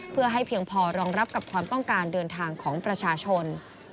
เพื่อให้เพียงพอรองรับกับความต้องการเดินทางของประชาชน